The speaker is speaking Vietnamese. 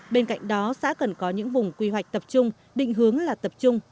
bên cạnh đó xã cần có những vùng quy hoạch tập trung định hướng là tập trung